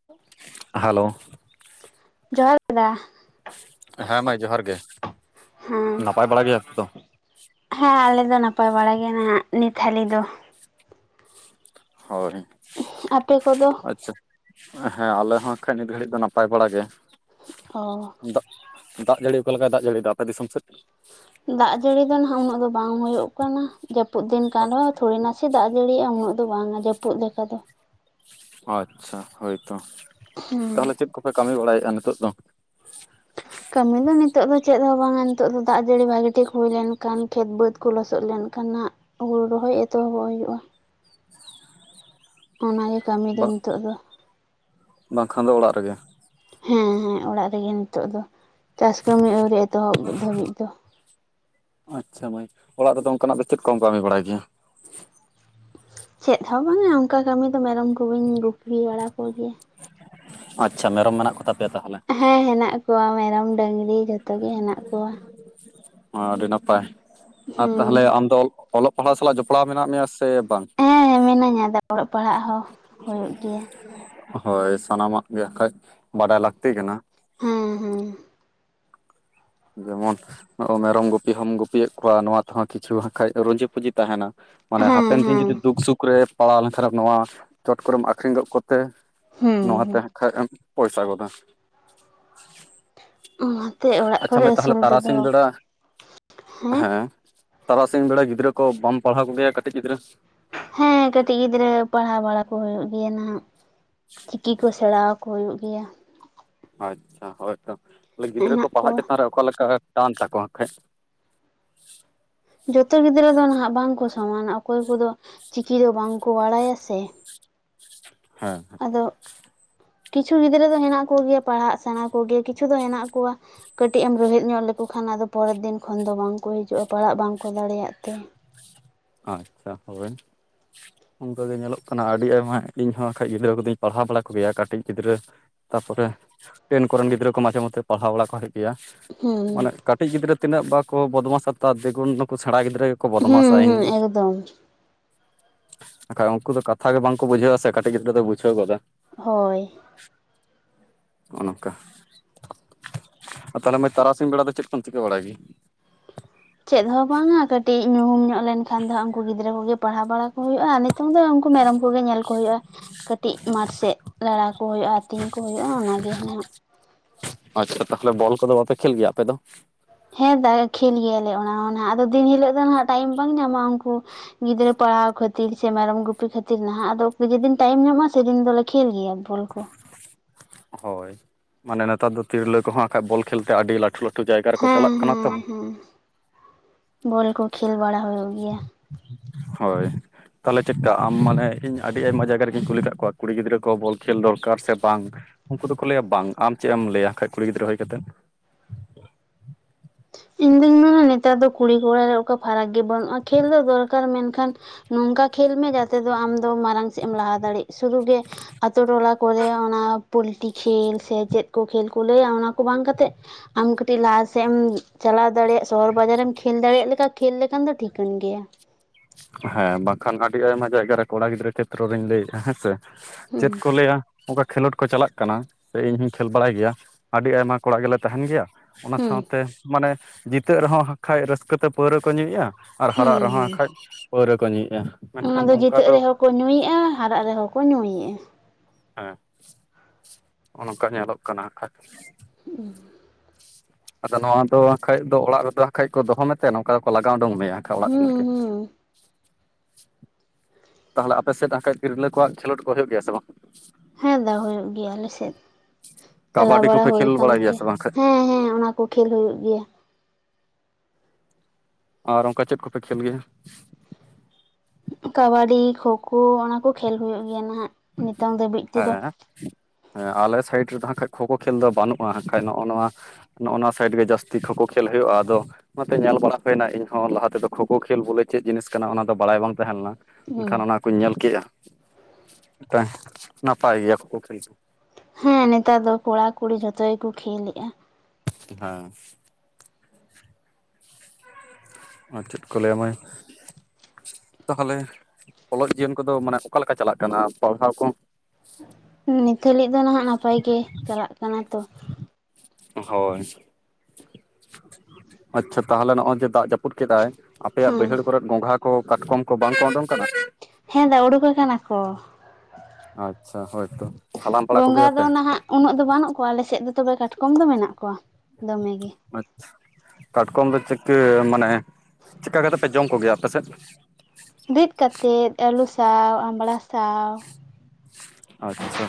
[inaudible] Hello. ᱡᱚᱦᱟᱨ ᱜᱮ ᱫᱟ ᱦᱮᱸ ᱢᱟᱹᱭ ᱡᱚᱦᱟᱨ ᱜᱮ ᱦᱮᱸ ᱱᱟᱯᱟᱭ ᱵᱟᱲᱟ ᱜᱮᱭᱟ ᱯᱮᱛᱚ ᱦᱮᱸ ᱟᱞᱮ ᱫᱚ ᱱᱟᱯᱟᱭ ᱵᱟᱲᱟ ᱜᱮ ᱱᱟᱜ ᱱᱤᱛ ᱦᱟᱹᱞᱤ ᱫᱚ ᱦᱳᱭ᱾ ᱟᱯᱮ ᱠᱚᱫᱚ ᱟᱪᱪᱷᱟ ᱦᱮᱸ ᱟᱞᱮ ᱦᱚᱸ ᱮᱱᱠᱷᱟᱱ ᱱᱤᱛ ᱜᱷᱟᱹᱲᱤᱡ ᱫᱚ ᱱᱟᱯᱟᱭ ᱵᱟᱲᱟ ᱜᱮ ᱚ ᱫᱟᱜ ᱫᱟᱜ ᱡᱟᱹᱲᱤ ᱚᱠᱟ ᱞᱮᱠᱟᱭ ᱫᱟᱜ ᱡᱟᱹᱲᱤᱭ ᱫᱟ ᱟᱯᱮ ᱫᱤᱥᱚᱢ ᱥᱮᱫ ᱫᱟᱜ ᱡᱟᱹᱲᱤ ᱫᱚ ᱱᱟᱦᱟᱜ ᱩᱱᱟᱹᱜ ᱫᱚ ᱵᱟᱝ ᱦᱩᱭᱩᱜ ᱠᱟᱱᱟ᱾ ᱡᱟᱹᱯᱩᱫ ᱫᱤᱱ ᱠᱟᱱ ᱨᱮᱦᱚᱸ ᱛᱷᱚᱲᱮ ᱱᱟᱥ ᱥᱮ ᱫᱟᱜ ᱡᱟᱹᱲᱤᱭᱮᱜ-ᱟ ᱩᱱᱟᱹᱜ ᱫᱚ ᱵᱟᱝᱼᱟ ᱡᱟᱹᱯᱩᱫ ᱞᱮᱠᱟ ᱫᱚ ᱟᱪᱪᱷᱟ ᱦᱳᱭᱛᱚ ᱛᱟᱦᱚᱞᱮ ᱦᱮᱸ ᱪᱮᱫ ᱠᱚᱯᱮ ᱠᱟᱹᱢᱤ ᱵᱟᱲᱟᱭᱮᱫᱼᱟ ᱱᱤᱛᱚᱜ ᱫᱚ ᱠᱟᱹᱢᱤ ᱫᱚ ᱱᱤᱛᱚᱜ ᱫᱚ ᱪᱮᱫ ᱦᱚᱸ ᱵᱟᱝᱼᱟ ᱱᱤᱛᱚᱜ ᱫᱚ ᱫᱟᱜ ᱡᱟᱹᱲᱤ ᱵᱷᱟᱜᱮ ᱴᱷᱤᱠ ᱦᱩᱭ ᱞᱮᱱᱠᱷᱟᱱ ᱠᱷᱮᱛ ᱵᱟᱹᱫᱽ ᱠᱚ ᱞᱚᱥᱚᱫ ᱞᱮᱱᱠᱷᱟᱱ ᱦᱟᱸᱜ ᱦᱩᱲᱩ ᱨᱚᱦᱚᱭ ᱮᱛᱚᱦᱚᱵᱚᱜ ᱦᱩᱭᱩᱜᱼᱟ᱾ ᱚᱱᱟᱜᱮ ᱠᱟᱹᱢᱤ ᱫᱚ ᱵᱟᱝ ᱱᱤᱛᱚᱜ ᱫᱚ ᱵᱟᱝᱠᱷᱟᱱ ᱫᱚ ᱚᱲᱟᱜ ᱨᱮᱜᱮ ᱦᱮᱸᱻᱦᱮᱸᱻ ᱚᱲᱟᱜ ᱨᱮᱜᱮ ᱱᱤᱛᱚᱜ ᱫᱚ ᱪᱟᱥ ᱠᱟᱹᱢᱤ ᱟᱹᱣᱨᱤ ᱮᱛᱚᱦᱚᱵ ᱫᱷᱟᱹᱵᱤᱡ ᱫᱚ ᱟᱪᱪᱷᱟ ᱢᱟᱹᱭ ᱚᱲᱟᱜ ᱨᱮᱫᱚ ᱚᱱᱠᱟᱱᱟᱜ ᱫᱚ ᱪᱮᱫ ᱠᱚᱢ ᱠᱟᱹᱢᱤ ᱵᱟᱲᱟᱭ ᱜᱮᱭᱟ ᱪᱮᱫ ᱦᱚᱸ ᱵᱟᱝᱼᱟ ᱚᱱᱠᱟ ᱠᱟᱹᱢᱤ ᱫᱚ ᱢᱮᱨᱚᱢ ᱠᱚᱜᱮᱧ ᱜᱩᱯᱤ ᱵᱟᱲᱟ ᱠᱚ ᱜᱮᱭᱟ ᱟᱪᱪᱷᱟ ᱢᱮᱨᱚᱢ ᱢᱮᱱᱟᱜ ᱠᱚᱛᱟ ᱯᱮᱭᱟ ᱛᱟᱦᱚᱞᱮ? ᱦᱮᱸ ᱦᱮᱱᱟᱜ ᱠᱚᱣᱟ ᱢᱮᱨᱚᱢ ᱰᱟᱹᱝᱨᱤ ᱡᱷᱚᱛᱚ ᱜᱮ ᱦᱮᱱᱟᱜ ᱠᱚᱣᱟ᱾ ᱟᱹᱰᱤ ᱱᱟᱯᱟᱭ᱾ ᱟᱨ ᱛᱟᱦᱚᱞᱮ ᱦᱩᱸ᱾ ᱟᱢ ᱫᱚ ᱚᱞᱚᱜ ᱯᱟᱲᱦᱟᱜ ᱥᱟᱞᱟᱜ ᱡᱚᱯᱲᱟᱣ ᱢᱮᱱᱟᱜ ᱢᱮᱭᱟ ᱥᱮ ᱵᱟᱝ? ᱦᱮᱸ ᱢᱤᱱᱟᱹᱧᱟ ᱫᱟ ᱚᱞᱚᱜ ᱯᱟᱲᱦᱟᱜ ᱦᱚᱸ ᱦᱩᱭᱩᱜ ᱜᱮᱭᱟ᱾ ᱦᱳᱭ ᱥᱟᱱᱟᱢᱟᱜ ᱜᱮ ᱟᱠᱷᱟᱡ ᱵᱟᱰᱟᱭ ᱞᱟᱹᱠᱛᱤ ᱠᱟᱱᱟ᱾ ᱦᱮᱸ ᱦᱮᱸ᱾ ᱡᱮᱢᱚᱱ ᱢᱮᱨᱚᱢ ᱜᱩᱯᱤ ᱦᱚᱢ ᱜᱩᱯᱤᱭᱮᱫ ᱠᱚᱣᱟ ᱱᱚᱣᱟ ᱛᱮᱦᱚᱸ ᱠᱤᱪᱷᱩ ᱦᱟᱸᱠᱷᱟᱡ ᱨᱩᱡᱤ ᱯᱩᱡᱤ ᱛᱟᱦᱮᱸᱱᱟ᱾ ᱢᱟᱱᱮ ᱦᱮᱸ ᱦᱟᱯᱮᱱ ᱫᱤᱱ ᱦᱮᱸ ᱡᱩᱫᱤ ᱫᱩᱠ ᱥᱩᱠ ᱨᱮ ᱯᱟᱲᱟᱣ ᱞᱮᱱᱠᱷᱟᱱ ᱱᱚᱣᱟ ᱪᱚᱴ ᱠᱚᱨᱮᱢ ᱟᱠᱷᱨᱤᱧ ᱜᱚᱫ ᱠᱚᱛᱮ ᱦᱩᱸ ᱱᱚᱣᱟ ᱛᱮ ᱦᱩᱸ ᱦᱟᱸᱠᱷᱟᱡ ᱮᱢ ᱯᱚᱭᱥᱟ ᱜᱚᱫᱟ᱾ ᱚᱱᱟᱛᱮ ᱚᱲᱟᱜ ᱟᱪᱪᱷᱟ ᱠᱚᱨᱮ ᱢᱟᱹᱭ ᱛᱟᱦᱚᱞᱮ ᱟᱹᱥᱩᱞ ᱫᱚ ᱛᱟᱨᱟᱥᱤᱧ ᱫᱚᱦᱚ ᱵᱮᱲᱟ ᱦᱮᱸ ᱛᱟᱨᱟᱥᱤᱧ ᱵᱮᱲᱟ ᱜᱤᱫᱽᱨᱟᱹ ᱠᱚ ᱵᱟᱢ ᱯᱟᱲᱦᱟᱣ ᱠᱚᱜᱮᱭᱟ ᱠᱟᱹᱴᱤᱡ ᱜᱤᱫᱽᱨᱟᱹ? ᱦᱮᱸ ᱠᱟᱹᱴᱤᱡ ᱜᱤᱫᱽᱨᱟᱹ ᱯᱟᱲᱦᱟᱣ ᱵᱟᱲᱟ ᱠᱚ ᱦᱩᱭᱩᱜ ᱜᱮᱭᱟ ᱱᱟᱦᱟᱸᱜ᱾ ᱪᱤᱠᱤ ᱠᱚ ᱥᱮᱬᱟᱣᱟᱠᱚ ᱦᱩᱭᱩᱜ ᱜᱮᱭᱟ᱾ ᱟᱪᱪᱷᱟ ᱦᱳᱭᱛᱚ ᱛᱟᱦᱚᱞᱮ ᱜᱤᱫᱽᱨᱟᱹ ᱠᱚ ᱦᱮᱱᱟᱜ ᱯᱟᱲᱦᱟᱜ ᱠᱚᱣᱟ᱾ ᱪᱮᱛᱟᱱ ᱨᱮ ᱚᱠᱟ ᱞᱮᱠᱟ ᱴᱟᱱ ᱛᱟᱠᱚ ᱦᱟᱸᱠᱷᱟᱡ ᱡᱚᱛᱚ ᱜᱤᱫᱽᱨᱟᱹ ᱫᱚ ᱱᱟᱦᱟᱸᱜ ᱵᱟᱝ ᱠᱚ ᱥᱚᱢᱟᱱᱟ ᱚᱠᱚᱭ ᱠᱚᱫᱚ ᱪᱤᱠᱤ ᱫᱚ ᱵᱟᱝ ᱠᱚ ᱵᱟᱲᱟᱭᱟ ᱥᱮ, ᱦᱮᱸ᱾ ᱟᱫᱚ ᱠᱤᱪᱷᱩ ᱜᱤᱫᱽᱨᱟᱹ ᱫᱚ ᱦᱮᱱᱟᱸᱜ ᱠᱚᱜᱮᱭᱟ ᱯᱟᱲᱦᱟᱜ ᱥᱮᱬᱟ ᱠᱚᱜᱮ ᱠᱤᱪᱷᱩ ᱫᱚ ᱦᱮᱱᱟᱸᱜ ᱠᱚᱣᱟ ᱠᱟᱹᱴᱤᱡ ᱮᱢ ᱨᱳᱦᱮᱫ ᱧᱚᱜ ᱞᱮᱠᱚ ᱠᱷᱟᱱ ᱟᱫᱚ ᱯᱚᱨᱮᱨ ᱫᱤᱱ ᱠᱷᱚᱱ ᱫᱚ ᱵᱟᱝ ᱠᱚ ᱦᱤᱡᱩᱜᱼᱟ, ᱯᱟᱲᱦᱟᱜ ᱵᱟᱝᱠᱚ ᱫᱟᱲᱮᱭᱟᱜ ᱛᱮ ᱾ ᱟᱪᱪᱷᱟ ᱦᱳᱭ ᱾ ᱚᱝᱠᱟᱜᱮ ᱧᱮᱞᱚᱜ ᱠᱟᱱᱟ ᱟᱹᱰᱤ ᱟᱭᱢᱟ ᱤᱧᱦᱚᱸ ᱵᱟᱠᱷᱟᱡ ᱜᱤᱫᱽᱨᱟᱹ ᱠᱚᱫᱚᱧ ᱯᱟᱲᱦᱟᱣ ᱵᱟᱲᱟ ᱠᱚᱜᱮᱭᱟ, ᱠᱟᱹᱴᱤᱡ ᱜᱤᱫᱽᱨᱟᱹ ᱛᱟᱨᱯᱚᱨᱮ ᱴᱮᱱ ᱠᱚᱨᱮᱱ ᱜᱤᱫᱽᱨᱟᱹ ᱠᱚ ᱢᱟᱡᱷᱮ ᱢᱚᱫᱫᱷᱮ ᱯᱟᱲᱦᱟᱣ ᱵᱟᱲᱟ ᱠᱚ ᱦᱩᱭᱩᱜ ᱜᱮᱭᱟ᱾ ᱢᱟᱱᱮ ᱦᱩᱸ ᱠᱟᱹᱴᱤᱡ ᱜᱤᱫᱽᱨᱟᱹ ᱛᱤᱱᱟᱹᱜ ᱵᱟᱠᱚ ᱵᱚᱫᱢᱟᱥᱟ ᱛᱟᱨ ᱫᱤᱜᱩᱱ ᱱᱩᱠᱩ ᱥᱮᱲᱟ ᱜᱤᱫᱽᱨᱟᱹ ᱜᱮᱠᱚ ᱵᱚᱫᱢᱟᱥᱟ ᱤᱧ ᱫᱚ ᱫᱚᱢ ᱟᱠᱷᱟᱡ ᱩᱱᱠᱩ ᱫᱚ ᱠᱟᱛᱷᱟ ᱜᱮ ᱵᱟᱝ ᱵᱩᱡᱷᱟᱹᱣᱟ ᱥᱮ ᱠᱟᱹᱴᱤᱡ ᱜᱤᱫᱽᱨᱟᱹ ᱫᱚ ᱵᱩᱡᱷᱟᱹ ᱜᱚᱫᱟ ᱾ ᱦᱳᱭ᱾ ᱱᱚᱜᱼ ᱱᱚᱝᱠᱟ, ᱛᱟᱦᱚᱞᱮ ᱢᱟᱹᱭ ᱛᱟᱨᱟᱥᱤᱧ ᱵᱮᱲᱟ ᱫᱚ ᱪᱮᱫ ᱠᱚᱢ ᱪᱤᱠᱟᱹ ᱵᱟᱲᱟᱭ ᱜᱮ? ᱪᱮᱫ ᱦᱚᱸ ᱵᱟᱝᱟ ᱠᱟᱹᱴᱤᱡ ᱧᱩᱦᱩᱢ ᱧᱚᱜ ᱞᱮᱠᱷᱟᱱ ᱫᱚ ᱦᱟᱸᱜ ᱩᱱᱠᱩ ᱜᱤᱫᱽᱨᱟᱹ ᱠᱚᱜᱮ ᱯᱟᱲᱟᱣ ᱵᱟᱲᱟ ᱠᱚ ᱦᱩᱭᱩᱜᱼᱟ ᱱᱤᱛᱚᱝ ᱫᱚ ᱩᱝᱠᱩ ᱢᱮᱨᱚᱢ ᱠᱚᱜᱮ ᱧᱮᱞ ᱠᱚ ᱦᱩᱭᱩᱜᱼᱟ᱾ ᱠᱟᱹᱴᱤᱡ ᱢᱟᱴᱷ ᱥᱮᱫ ᱞᱟᱲᱟ ᱠᱚ ᱦᱩᱭᱩᱜᱼᱟ, ᱟᱹᱛᱤᱧ ᱠᱚ ᱦᱩᱭᱩᱜᱼᱟ ᱚᱱᱟᱜᱮ ᱦᱮᱦᱟᱸᱜ᱾ ᱟᱪᱪᱷᱟ ᱛᱟᱦᱚᱞᱮ ᱵᱚᱞ ᱠᱚᱫᱚ ᱵᱟᱯᱮ ᱠᱷᱮᱞ ᱜᱮᱭᱟ ᱟᱯᱮ ᱫᱚ? ᱦᱮᱸ ᱫᱟ ᱠᱷᱮᱞ ᱜᱮᱭᱟᱞᱮ ᱚᱱᱟ ᱚᱱᱟ ᱟᱫᱚ ᱫᱤᱱ ᱦᱤᱞᱳᱜ ᱫᱚ ᱱᱟᱜ ᱴᱟᱭᱤᱢ ᱵᱟᱝ ᱧᱟᱢᱟ ᱩᱱᱠᱩ ᱜᱤᱫᱽᱨᱟᱹ ᱯᱟᱲᱦᱟᱣ ᱠᱷᱟᱹᱛᱤᱨ ᱥᱮ ᱢᱮᱨᱚᱢ ᱜᱩᱯᱤ ᱠᱷᱟᱹᱛᱤᱨ ᱱᱟᱦᱟᱸᱜ ᱟᱫᱚ ᱡᱮᱫᱤᱱ ᱴᱟᱭᱤᱢ ᱧᱚᱜᱼᱟ ᱥᱮ ᱫᱤᱱ ᱫᱚᱞᱮ ᱠᱷᱮᱞ ᱜᱮᱭᱟ ᱵᱚᱞ ᱠᱚ᱾ ᱦᱳᱭ ᱢᱟᱱᱮ ᱱᱮᱛᱟᱨ ᱫᱚ ᱛᱤᱨᱞᱟᱹ ᱠᱚᱦᱚᱸ ᱦᱟᱠᱷᱟᱡ ᱵᱚᱞ ᱠᱷᱮᱞ ᱛᱮ ᱟᱹᱰᱤ ᱞᱟ ᱴᱩ ᱞᱟᱹᱴᱩ ᱡᱟᱭᱜᱟ ᱨᱮᱠᱚ ᱦᱮᱸ ᱪᱟᱞᱟᱜ ᱠᱟᱱᱟ ᱛᱚ ᱦᱮᱸ ᱦᱮᱸ, ᱵᱚᱞ ᱠᱚ ᱠᱷᱮᱞ ᱵᱟᱲᱟ ᱦᱩᱭᱩᱜ ᱜᱤᱭᱟ᱾ ᱦᱳᱭ᱾ ᱛᱟᱦᱚᱞᱮ ᱪᱮᱫᱠᱟ ᱟᱢ ᱢᱟᱱᱮ ᱤᱧ ᱟᱹᱰᱤ ᱟᱭᱢᱟ ᱡᱟᱭᱜᱟ ᱨᱮᱜᱤᱧ ᱠᱩᱞᱤ ᱠᱟᱜ ᱠᱚᱣᱟ ᱠᱩᱲᱤ ᱜᱤᱫᱽᱨᱟᱹ ᱠᱚ ᱵᱚᱞ ᱠᱷᱮᱞ ᱫᱚᱨᱠᱟᱨ ᱥᱮ ᱵᱟᱝ ᱩᱝᱠᱩ ᱫᱚᱠᱚ ᱞᱟᱹᱭᱟ ᱵᱟᱝ ᱟᱢ ᱪᱮᱫ ᱮᱢ ᱞᱟᱹᱭᱟ ᱟᱝ ᱠᱷᱟᱱᱡ ᱠᱩᱲᱤ ᱜᱤᱫᱽᱨᱟᱹ ᱦᱩᱭ ᱠᱟᱛᱮᱫ? ᱤᱧ ᱫᱩᱧ ᱢᱮᱱᱟ ᱱᱮᱛᱟᱨ ᱫᱚ ᱠᱩᱲᱤ ᱠᱚᱲᱟ ᱨᱮ ᱚᱠᱟ ᱯᱷᱟᱨᱟᱠ ᱜᱮ ᱵᱟᱹᱱᱩᱜᱼᱟ ᱠᱷᱮᱞ ᱫᱚ ᱫᱚᱨᱠᱟᱨ ᱢᱮᱱᱠᱷᱟᱱ ᱱᱚᱝᱠᱟ ᱠᱷᱮᱞ ᱢᱮ ᱡᱟᱛᱮ ᱫᱚ ᱟᱢ ᱫᱚ ᱢᱟᱨᱟᱝ ᱥᱮᱫ ᱮᱢ ᱞᱟᱦᱟ ᱫᱟᱲᱮᱜ᱾ ᱥᱩᱫᱩ ᱜᱮ ᱟᱛᱳ ᱴᱚᱞᱟ ᱠᱚᱨᱮ ᱚᱱᱟ ᱯᱚᱞᱴᱤ ᱠᱷᱮᱞ ᱥᱮ ᱪᱮᱫ ᱠᱚ ᱠᱷᱮᱞ ᱠᱚ ᱞᱟᱹᱭᱟ ᱚᱱᱟ ᱠᱚ ᱵᱟᱝ ᱠᱟᱛᱮᱜ ᱟᱢ ᱠᱟᱹᱴᱤᱡ ᱞᱟᱦᱟᱟᱥᱮᱫ ᱮᱢ ᱪᱟᱞᱟᱣ ᱫᱟᱲᱮᱭᱟᱜ ᱥᱚᱦᱚᱨ ᱵᱟᱡᱟᱨᱮᱢ ᱠᱷᱮᱞ ᱫᱟᱲᱮᱭᱟᱜ ᱞᱮᱠᱟ ᱠᱷᱮᱞ ᱞᱮᱠᱷᱟᱱ ᱫᱚ ᱴᱷᱤᱠᱟᱹᱱ ᱜᱮᱭᱟ ᱾ ᱦᱮᱸ ᱵᱟᱝᱠᱷᱟᱱ ᱟᱹᱰᱤ ᱟᱭᱢᱟ ᱡᱟᱭᱜᱟ ᱨᱮ ᱠᱚᱲᱟ ᱜᱤᱫᱽᱨᱟᱹ ᱠᱷᱮᱛᱨᱚ ᱨᱮᱧ ᱞᱟᱹᱭ ᱮᱫᱼᱟ ᱦᱮᱸ ᱥᱮ ᱾ ᱪᱮᱫ ᱦᱩᱸ ᱠᱚ ᱞᱟᱹᱭᱟ ᱾ ᱚᱱᱠᱟ ᱠᱷᱮᱞᱳᱰ ᱠᱚ ᱪᱟᱞᱟᱜ ᱠᱟᱱᱟ ᱥᱮ ᱤᱧ ᱦᱚᱸᱧ ᱠᱷᱮᱞ ᱵᱟᱲᱟᱭ ᱜᱮᱭᱟ ᱟᱹᱰᱤ ᱟᱭᱢᱟ ᱠᱚᱲᱟ ᱜᱮᱞᱮ ᱛᱟᱦᱮᱱ ᱜᱮᱭᱟ ᱾ ᱚᱱᱟ ᱦᱩᱸ ᱥᱟᱶᱛᱮ ᱢᱟᱱᱮ ᱡᱤᱛᱟᱹᱜ ᱨᱮᱦᱚᱸ ᱠᱷᱟᱡ ᱨᱟᱹᱥᱠᱟᱹᱛᱮ ᱯᱟᱹᱣᱨᱟᱹ ᱠᱚ ᱧᱩᱭᱮᱜᱼᱟ ᱾ ᱟᱨ ᱦᱩᱸ ᱦᱟᱨᱟᱜ ᱨᱮᱦᱚᱸ ᱦᱩᱸ ᱠᱷᱟᱱᱡ ᱯᱟᱹᱣᱨᱟᱹ ᱠᱚ ᱧᱩᱭᱮᱫᱼᱟ ᱾ ᱚᱱᱟ ᱫᱚ ᱡᱤᱛᱟᱹᱜ ᱨᱮᱦᱚᱸ ᱠᱚ ᱧᱩᱭᱮᱫᱼᱟ ᱦᱟᱨᱟᱜ ᱨᱮᱦᱚᱸ ᱠᱚ ᱧᱩᱭᱮᱫᱼᱟ᱾ ᱦᱮᱸᱜ ᱱᱚᱜ ᱱᱚᱝᱠᱟ ᱧᱮᱞᱚᱜ ᱠᱟᱱᱟ ᱠᱷᱟᱡ᱾ ᱦᱸ [inaudible] ᱟᱫᱚ ᱱᱚᱣᱟ ᱫᱚ ᱵᱟᱠᱷᱟᱡ ᱫᱚ ᱚᱲᱟᱜ ᱨᱮᱫᱚ ᱟᱠᱷᱟᱡ ᱠᱚ ᱫᱚᱦᱚ ᱢᱮᱛᱮ ᱱᱚᱝᱠᱟ ᱫᱚᱠᱚ ᱞᱟᱜᱟᱣ ᱩᱰᱩᱝ ᱢᱮᱭᱟ ᱚᱲᱟᱜ ᱠᱷᱚᱱᱟᱜ ᱜᱮ᱾ ᱦᱩᱸ ᱦᱩᱸ ᱛᱟᱦᱞᱮ ᱟᱯᱮ ᱥᱮᱫ ᱟᱠᱷᱟᱡ ᱛᱤᱨᱞᱟᱹ ᱠᱚᱣᱟᱜ ᱠᱷᱮᱞᱳᱰ ᱠᱚ ᱦᱩᱭᱩᱜ ᱜᱮᱭᱟ ᱥᱮ ᱵᱟᱝ? ᱦᱮᱸ ᱫᱟ ᱦᱩᱭᱩᱜ ᱜᱮᱭᱟ ᱟᱞᱮ ᱥᱮᱫ ᱪᱟᱞᱟᱣ ᱠᱟᱵᱟᱰᱤ ᱵᱟᱲᱟ ᱠᱚᱯᱮ ᱦᱩᱭ ᱠᱷᱮᱞ ᱠᱟᱱ ᱵᱟᱲᱟᱭ ᱥᱮ ᱜᱮᱭᱟ ᱵᱟᱝ ᱠᱷᱟᱡ ᱦᱮᱸ ᱦᱮᱸ ᱚᱱᱟ᱾ ᱠᱚ ᱠᱷᱮᱞ ᱦᱩᱭᱩᱜ ᱜᱮᱭᱟ᱾ ᱟᱨ ᱚᱱᱠᱟ ᱪᱮᱫ ᱠᱚᱯᱮ ᱠᱷᱮᱞ ᱜᱮᱭᱟ? ᱠᱟᱵᱟᱰᱤ ᱠᱷᱳᱸ ᱠᱷᱳ ᱚᱱᱟᱠᱚ ᱠᱷᱮᱞ ᱦᱩᱭᱩᱜ ᱜᱮᱭᱟ ᱱᱟᱦᱟᱜ ᱱᱤᱛᱚᱝ ᱫᱷᱟᱹᱵᱤᱡ ᱛᱮᱫᱚ ᱾ ᱦᱮᱸ ᱟᱞᱮ ᱥᱟᱭᱤᱰ ᱨᱮᱫᱚ ᱦᱟᱸᱜ ᱠᱷᱟᱡ ᱠᱷᱳᱸ ᱠᱷᱳ ᱠᱷᱮᱞ ᱫᱚ ᱵᱟᱹᱱᱩᱜᱼᱟ ᱠᱷᱟᱡ ᱱᱚᱜᱼᱚ ᱱᱚᱣᱟ ᱾ ᱱᱚᱜ-ᱚ ᱱᱚᱣᱟ ᱥᱟᱭᱤᱰ ᱜᱮ ᱡᱟᱹᱥᱛᱤ ᱠᱷᱚᱠᱚ ᱠᱷᱮᱞ ᱦᱳᱭᱳᱜᱼᱟ ᱟᱫᱚ ᱾ ᱚᱱᱟᱛᱮ ᱧᱮᱞ ᱵᱟᱲᱟ ᱦᱳᱭᱮᱱᱟ ᱤᱧᱦᱚᱸ ᱞᱟᱦᱟ ᱛᱮᱫᱚ ᱠᱷᱳ ᱠᱷᱳ ᱠᱷᱮᱞ ᱵᱚᱞᱮ ᱪᱮᱫ ᱡᱤᱱᱤᱥ ᱠᱟᱱᱟ ᱚᱱᱟ ᱫᱚ ᱵᱟᱲᱟᱭ ᱵᱟᱝ ᱛᱟᱦᱮᱸ ᱞᱮᱱᱟ ᱾ ᱦᱩᱸ ᱮᱱᱠᱷᱟᱱ ᱚᱱᱟ ᱠᱚᱧ ᱧᱮᱞ ᱠᱮᱜᱼᱟ ᱱᱟᱯᱟᱭ ᱜᱮᱭᱟ ᱠᱷᱳᱠᱷᱳ ᱠᱷᱮᱞ ᱠᱚ᱾ ᱦᱮᱸ ᱱᱮᱛᱟᱨ ᱫᱚ ᱠᱚᱲᱟ ᱠᱩᱲᱤ ᱡᱷᱚᱛᱚ ᱜᱮᱠᱚ ᱠᱷᱮᱞᱮᱜᱼᱟ ᱾ ᱦᱮᱸ ᱟᱨ ᱪᱮᱫ ᱠᱚ ᱞᱟᱹᱭᱟ ᱢᱟᱹᱭ ᱾ ᱛᱟᱦᱚᱞᱮ ᱚᱞᱚᱜ ᱡᱤᱭᱚᱱ ᱠᱚᱫᱚ ᱢᱟᱱᱮ ᱚᱠᱟ ᱞᱮᱠᱟ ᱪᱟᱞᱟᱜ ᱠᱟᱱᱟ ᱯᱟᱲᱦᱟᱣ ᱠᱚ? ᱱᱤᱛᱚᱜ ᱞᱟᱜᱤᱫ ᱫᱚ ᱱᱟᱦᱟᱜ ᱱᱟᱯᱟᱭ ᱜᱮ ᱪᱟᱞᱟᱜ ᱠᱟᱱᱟ ᱛᱚ ᱦᱚᱭ ᱟᱪᱪᱷᱟ ᱛᱟᱦᱚᱞᱮ ᱱᱚᱜᱼᱚᱭ ᱡᱮ ᱫᱟᱜ ᱡᱟᱯᱩᱫ ᱡᱟᱹᱯᱩᱫ ᱠᱮᱫᱟᱭ ᱟᱯᱮᱭᱟᱜ ᱦᱮᱸ ᱵᱟᱹᱭᱦᱟᱹᱲ ᱠᱚᱨᱮᱫ ᱜᱚᱸᱝᱜᱷᱟ ᱠᱚ ᱠᱟᱴᱠᱚᱢ ᱠᱚ ᱵᱟᱝ ᱠᱚ ᱳᱰᱳᱝ ᱠᱟᱱᱟ? ᱦᱮᱸ ᱫᱟ ᱩᱰᱩᱠ ᱟᱠᱟᱱᱟ ᱠᱚ ᱟᱪᱪᱷᱟ ᱦᱳᱭᱛᱳ ᱦᱟᱞᱟᱝ ᱵᱟᱲᱟ ᱜᱚᱸᱜᱷᱟ ᱫᱚ ᱠᱚᱜᱮᱭᱟᱼᱯᱮ? ᱱᱟᱦᱟᱜ ᱩᱱᱟᱹᱜ ᱫᱚ ᱵᱟᱹᱱᱩᱜ ᱠᱚᱣᱟ ᱟᱞᱮᱥᱮᱫ ᱫᱚ ᱛᱚᱵᱮ ᱠᱟᱴᱠᱚᱢ ᱫᱚ ᱢᱮᱱᱟᱜ ᱠᱚᱣᱟ ᱫᱚᱢᱮ ᱜᱮ ᱟᱪᱪᱷᱟ ᱠᱟᱴᱠᱚᱢ ᱫᱚ ᱪᱤᱠᱟᱹ ᱢᱟᱱᱮ ᱪᱮᱫᱠᱟ ᱠᱟᱛᱮ ᱯᱮ ᱡᱚᱢ ᱠᱚᱜᱮᱭᱟ ᱟᱯᱮ ᱥᱮᱫ? ᱨᱤᱫ ᱠᱟᱛᱮᱫ ᱟᱹᱞᱩ ᱥᱟᱶ ᱟᱢᱵᱲᱟ ᱥᱟᱶ᱾ ᱟᱪᱪᱷᱟ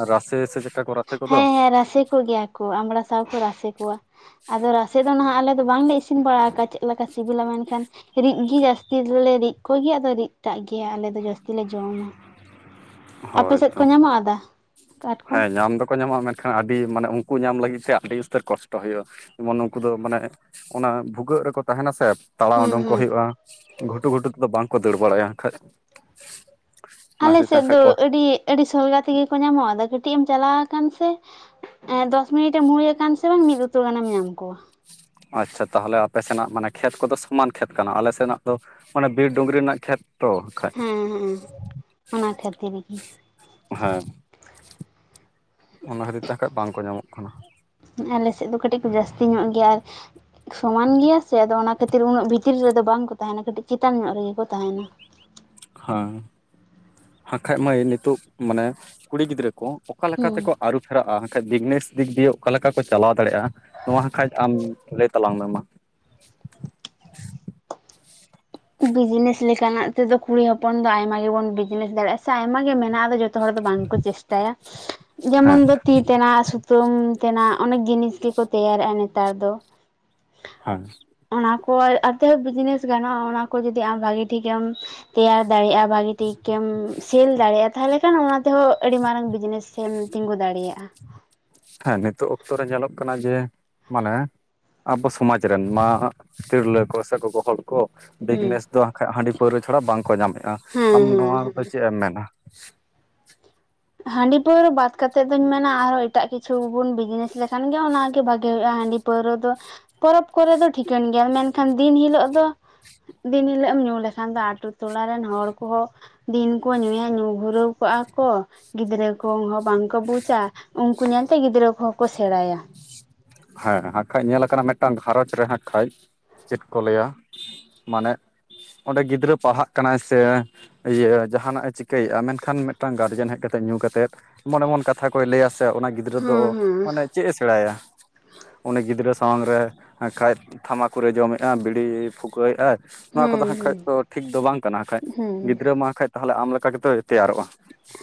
ᱟᱨ ᱨᱟᱥᱮ ᱥᱮ ᱪᱮᱫᱠᱟ ᱠᱚ ᱠᱚᱫᱚ? ᱦᱮᱸ ᱦᱮᱸ ᱨᱟᱥᱮ ᱠᱚ ᱜᱮᱭᱟ ᱠᱚ ᱟᱢᱲᱟ ᱥᱟᱶ ᱠᱚ ᱨᱟᱥᱮ ᱠᱚᱣᱟ ᱟᱫᱚ ᱨᱟᱥᱮ ᱫᱚ ᱱᱟᱦᱟᱜ ᱟᱞᱮ ᱟᱫᱚ ᱵᱟᱝᱞᱮ ᱤᱥᱤᱱ ᱵᱟᱲᱟ ᱟᱠᱟᱫᱼᱟ ᱪᱮᱫ ᱞᱮᱠᱟ ᱥᱤᱵᱤᱞᱟ ᱢᱮᱱᱠᱷᱟᱱ ᱨᱤᱫ ᱜᱤ ᱡᱟᱹᱥᱛᱤ ᱫᱚᱞᱮ ᱨᱤᱫ ᱠᱚᱜᱮᱭᱼᱟ ᱟᱫᱚ ᱨᱤᱫ ᱴᱟᱜ ᱜᱮ ᱟᱞᱮ ᱫᱚ ᱡᱟᱹᱥᱛᱤ ᱛᱤ ᱞᱮ ᱡᱚᱢᱟ ᱟᱯᱮ ᱥᱮᱫ ᱦᱳᱭᱛᱚ ᱠᱚ ᱧᱟᱢᱚᱜᱼᱟ ᱫᱟ ᱠᱟᱴᱠᱚᱢ? ᱵᱟᱠᱚ ᱧᱟᱢᱟ ᱢᱮᱱᱠᱷᱟᱱ ᱟᱹᱰᱤ ᱢᱟᱱᱮ ᱩᱱᱠᱩ ᱧᱟᱢ ᱞᱟᱹᱜᱤᱫ ᱥᱮ ᱟᱹᱰᱤ ᱩᱥᱛᱟᱹᱨ ᱠᱚᱥᱴᱚ ᱦᱩᱭᱩᱜᱼᱟ ᱡᱮᱢᱚᱱ ᱩᱱᱠᱩ ᱫᱚ ᱢᱟᱱᱮ ᱚᱱᱟ ᱵᱷᱩᱜᱟᱹᱜ ᱨᱮᱠᱚ ᱛᱟᱦᱮᱱᱼᱟ ᱥᱮ ᱛᱟᱲᱟᱣ ᱦᱮᱸ ᱳᱰᱳᱝ ᱠᱚ ᱦᱮᱸ ᱦᱳᱭᱳᱜᱼᱟ ᱜᱷᱩᱴᱩ ᱜᱷᱩᱴᱩ ᱛᱮᱫᱚ ᱵᱟᱝᱠᱚ ᱫᱟᱹᱲ ᱵᱟᱲᱟᱭᱟ ᱠᱷᱟᱡ ᱚᱱᱟ ᱟᱞᱮ ᱠᱷᱟᱹᱛᱤᱨ ᱛᱮ ᱥᱮᱫ ᱠᱷᱟᱡ ᱫᱚ ᱠᱚ ᱟᱹᱰᱤ ᱟᱹᱰᱤ ᱥᱚᱞᱜᱟ ᱛᱮᱜᱮ ᱠᱚ ᱧᱟᱢᱚᱜᱼᱟ ᱠᱟᱹᱴᱤᱡ ᱮᱢ ᱪᱟᱞᱟᱣ ᱟᱠᱟᱱ ᱥᱮ ᱫᱚᱥ ᱢᱤᱱᱤᱴ ᱮᱢ ᱦᱩᱭ ᱟᱠᱟᱱ ᱥᱮ ᱵᱟᱝ ᱢᱤᱫ ᱩᱛᱩ ᱜᱟᱱᱮᱢ ᱧᱟᱢ ᱠᱚᱣᱟ ᱟᱪᱪᱷᱟ ᱛᱟᱦᱚᱞᱮ ᱟᱯᱮ ᱥᱮᱱᱟᱜ ᱢᱟᱱᱮ ᱠᱷᱮᱛ ᱠᱚᱫᱚ ᱥᱚᱢᱟᱱ ᱠᱷᱮᱛ ᱠᱟᱱᱟ ᱟᱞᱮ ᱥᱮᱱᱟᱜ ᱫᱚᱼᱼ ᱚᱱᱮ ᱵᱤᱨ ᱰᱩᱺᱝᱨᱤ ᱨᱮᱱᱟᱜ ᱠᱷᱮᱛ ᱛᱚ ᱠᱷᱟᱡ ᱦᱮᱸ ᱦᱮᱸ ᱚᱱᱟ ᱠᱷᱟᱹᱛᱤᱨ ᱜᱮ ᱦᱮᱸ ᱚᱱᱟ ᱠᱷᱟᱹᱛᱤᱨ ᱛᱮᱜᱮ ᱠᱷᱟᱡ ᱵᱟᱝᱠᱚ ᱧᱟᱢᱚᱜ ᱠᱟᱱᱟ ᱟᱞᱮᱥᱮᱫ ᱫᱚ ᱠᱟᱹᱴᱤᱡ ᱠᱚ ᱡᱟᱹᱥᱛᱤ ᱧᱚᱜ ᱜᱮᱭᱟ ᱥᱚᱢᱟᱱ ᱜᱮᱭᱟ ᱥᱮ ᱟᱫᱚ ᱚᱱᱟ ᱠᱷᱟᱹᱛᱤᱨ ᱩᱱᱟᱹᱜ ᱵᱷᱤ ᱵᱷᱤᱛᱤᱨ ᱨᱮᱫᱚ ᱵᱟᱝ ᱠᱚ ᱛᱟᱦᱮᱸᱱᱼᱟ ᱠᱟᱹᱴᱤᱡ ᱪᱮᱛᱟᱱ ᱧᱚᱜ ᱨᱮᱜᱮ ᱠᱚ ᱛᱟᱦᱮᱸᱱᱼᱟ, ᱦᱮᱸ ᱦᱟᱜᱼᱠᱷᱟᱡ ᱢᱟᱹᱭ ᱱᱤᱛᱚᱜ ᱢᱟᱱᱮ ᱠᱩᱲᱤ ᱜᱤᱫᱽᱨᱟᱹ ᱠᱚ ᱚᱠᱟ ᱞᱮᱠᱟ ᱛᱮ ᱦᱩᱸ ᱠᱚ ᱟᱹᱨᱩ ᱯᱷᱮᱨᱟᱜᱼᱟ ᱠᱷᱟᱡ ᱵᱤᱡᱱᱮᱥ ᱫᱤᱠ ᱫᱤᱭᱮ ᱚᱠᱟ ᱞᱮᱠᱟ ᱠᱚ ᱪᱟᱞᱟᱣ ᱫᱟᱲᱮᱭᱟᱜᱼᱟ ᱱᱚᱣᱟ ᱠᱷᱟᱡ ᱟᱢ ᱞᱟᱹᱭ ᱛᱟᱞᱟᱝ ᱢᱮ ᱢᱟ? ᱵᱤᱡᱽᱱᱮᱥ ᱞᱮᱠᱟᱱᱟᱜ ᱛᱮᱫᱚ ᱠᱩᱲᱤ ᱦᱚᱯᱚᱱ ᱫᱚ ᱟᱭᱢᱟ ᱜᱮᱵᱚᱱ ᱵᱤᱡᱱᱮᱥ ᱫᱟᱲᱮᱭᱟᱜᱼᱟ ᱥᱮ ᱟᱭᱢᱟ ᱜᱮ ᱢᱮᱱᱟᱜᱼᱟ ᱡᱚᱛᱚ ᱡᱚᱛᱚ ᱦᱚᱲ ᱫᱚ ᱵᱟᱝ ᱠᱚ ᱪᱮᱥᱴᱟᱼᱭᱟ ᱡᱮᱢᱚᱱ ᱦᱮᱸ ᱫᱚ ᱛᱤ ᱛᱮᱱᱟᱜ ᱥᱩᱛᱟᱹᱢ ᱛᱮᱱᱟᱜ ᱚᱱᱮᱠ ᱡᱤᱱᱤᱥ ᱜᱮᱠᱚ ᱛᱮᱭᱟᱨᱮᱫᱼᱟ ᱱᱮᱛᱟᱨ ᱫᱚ ᱦᱟᱸ ᱚᱱᱟ ᱠᱚ ᱟᱛᱮ ᱵᱤᱡᱽᱱᱮᱥ ᱜᱟᱱᱚᱜᱼᱟ ᱚᱱᱟ ᱠᱚ ᱡᱚᱫᱤ ᱟᱢ ᱵᱷᱟᱜᱤ ᱴᱷᱤᱠ ᱮᱢ, ᱛᱮᱭᱟᱨ ᱫᱟᱲᱮᱜᱼᱟ ᱵᱷᱟᱜᱤ ᱴᱷᱤᱠᱼᱮᱢ ᱥᱮᱞ ᱫᱟᱲᱮᱭᱟᱜᱼᱟ ᱛᱟᱦᱚᱞᱮ ᱠᱷᱟᱱ ᱚᱱᱟ ᱛᱮᱦᱚᱸ ᱟᱹᱰᱤ ᱢᱟᱨᱟᱝ ᱵᱤᱡᱽᱱᱮᱥ ᱪᱮᱢ ᱛᱤᱸᱜᱩ ᱫᱟᱲᱮᱭᱟᱜᱼᱟ ᱦᱮᱸ ᱱᱤᱛᱚᱜ ᱚᱠᱛᱚ ᱨᱮ ᱧᱮᱞᱚᱜ ᱠᱟᱱᱟ ᱡᱮ ᱢᱟᱱᱮ ᱟᱵᱚ ᱥᱚᱢᱟᱡᱽ ᱨᱮᱱ ᱱᱟᱦᱟᱜ ᱛᱤᱨᱞᱟᱹ ᱠᱚ ᱥᱮ ᱜᱚᱜᱚ ᱦᱚᱲ ᱠᱚ ᱦᱩᱸ ᱵᱤᱡᱽᱱᱮᱥ ᱫᱚ ᱦᱟᱜᱠᱷᱟᱡ ᱦᱟᱺᱰᱤ ᱯᱟᱹᱣᱨᱟᱹ ᱪᱷᱟᱲᱟ ᱵᱟᱝᱠᱚ ᱧᱟᱢᱮᱫᱼᱟ ᱦᱮᱸ ᱟᱢ ᱦᱮᱸ ᱱᱚᱣᱟ ᱫᱚ ᱦᱮᱸ ᱪᱮᱫ ᱮᱢ ᱢᱮᱱᱼᱟ ᱦᱟᱺᱰᱤ ᱯᱟᱹᱣᱨᱟᱹ ᱵᱟᱫ ᱠᱟᱛᱮᱫ ᱫᱩᱧ ᱢᱮᱱᱟ ᱟᱨᱦᱚᱸ ᱮᱴᱟᱜ ᱠᱤᱪᱷᱩ ᱵᱚᱱ ᱵᱤᱡᱽᱱᱮᱥ ᱞᱮᱠᱷᱟᱱ ᱜᱮ ᱚᱱᱟᱜᱮ ᱵᱷᱟᱜᱤ ᱦᱩᱭᱩᱜᱼᱟ ᱦᱟᱺᱰᱤ ᱯᱟᱹᱣᱨᱟᱹ ᱫᱚ ᱯᱚᱨᱚᱵᱽ ᱠᱚᱨᱮ ᱫᱚ ᱴᱷᱤᱠᱟᱹᱱ ᱜᱮᱭᱟ ᱢᱮᱱᱠᱷᱟᱱ ᱫᱤᱱ ᱦᱤᱞᱳᱜ ᱫᱚ ᱫᱤᱱ ᱦᱤᱞᱳᱜ ᱮᱢ ᱧᱩ ᱞᱮᱠᱷᱟᱱ ᱫᱚ ᱟᱛᱳ ᱴᱚᱞᱟ ᱨᱮᱱ ᱦᱚᱲ ᱠᱚᱦᱚᱸ ᱫᱤᱱ ᱠᱚ ᱧᱩᱭᱟ ᱧᱩ ᱜᱷᱩᱨᱟᱹᱣ ᱠᱚᱜᱼᱟ ᱠᱚ ᱜᱤᱫᱽᱨᱟᱹ ᱠᱚᱦᱚᱸ ᱵᱟᱝ ᱠᱚ ᱵᱩᱡᱟ ᱩᱱᱠᱩ ᱧᱮᱞᱛᱮ ᱜᱤᱫᱽᱨᱟᱹ ᱠᱚᱦᱚᱸ ᱠᱚ ᱥᱮᱬᱟᱭᱼᱟ ᱦᱮᱸ ᱦᱟᱸᱜᱠᱷᱟᱡ ᱧᱮᱞᱟ ᱟᱠᱟᱱᱟ ᱢᱤᱫᱴᱟᱝ ᱜᱷᱟᱨᱚᱸᱡᱽ ᱨᱮ ᱦᱟᱸᱜ ᱠᱷᱟᱱᱡ ᱪᱮᱫ ᱠᱚ ᱞᱟᱹᱭᱼᱟ ᱢᱟᱱᱮ ᱚᱸᱰᱮ ᱜᱤᱫᱽᱨᱟᱹ ᱯᱟᱲᱦᱟᱜ ᱠᱟᱱᱟᱭ ᱥᱮ ᱤᱭᱟᱹ ᱡᱟᱦᱟᱱᱟᱜᱼ ᱮ ᱪᱤᱠᱟᱹᱭᱮᱫᱼᱟ ᱢᱮᱱᱠᱷᱟᱱ ᱢᱤᱫᱴᱟᱝ ᱜᱟᱨᱡᱮᱱ ᱦᱮᱡ ᱠᱟᱛᱮᱫ ᱧᱩ ᱠᱟᱛᱮᱫ ᱮᱢᱚᱱ ᱮᱢᱚᱱ ᱠᱟᱛᱷᱟ ᱠᱚᱭ ᱞᱟᱹᱭᱟ ᱥᱮ ᱚᱱᱟ ᱜᱤᱫᱽᱨᱟᱹ ᱫᱚ ᱦᱮᱸ ᱦᱮᱸ ᱢᱟᱱᱮ ᱪᱮᱫ ᱮ ᱥᱮᱬᱟᱭᱼᱟ ᱩᱱᱤ ᱜᱤᱫᱽᱨᱟᱹ ᱥᱟᱢᱟᱝ ᱨᱮ ᱦᱟᱜᱠᱷᱟᱡ ᱛᱷᱟᱢᱟᱠᱠᱩᱨ ᱨᱮ ᱡᱚᱢᱮᱫᱼᱟᱭ ᱵᱤᱲᱤᱭ ᱯᱷᱩᱠᱟᱹᱣᱮᱫᱟᱭ ᱱᱚᱣᱟ ᱠᱚᱫᱚ ᱦᱮᱸ ᱦᱟᱸᱜᱠᱷᱟᱡ ᱫᱚ ᱦᱮᱸ ᱴᱷᱤᱠ ᱫᱚ ᱵᱟᱝ ᱠᱟᱱᱟᱠᱷᱟᱡ ᱦᱮᱸ ᱜᱤᱫᱽᱨᱟᱹ ᱢᱟ ᱦᱟᱜ ᱠᱷᱟᱡ ᱛᱟᱦᱚᱞᱮ ᱟᱢ ᱞᱮᱠᱟ ᱜᱮᱛᱚᱭ ᱛᱮᱭᱟᱨᱚᱜ ᱟ᱾